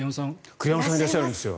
栗山さんいらっしゃるんですよ。